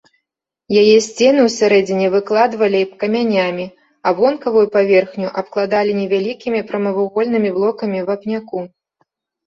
Яе сцены ў сярэдзіне выкладвалі камянямі, а вонкавую паверхню абкладалі невялікімі прамавугольнымі блокамі вапняку.